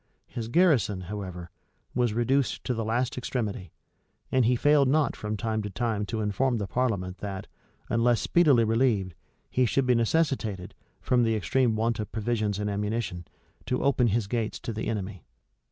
His garrison, however, was reduced to the last extremity; and he failed not from time to time to inform the parliament that, unless speedily relieved, he should be necessitated, from the extreme want of provisions and ammunition, to open his gates to the enemy.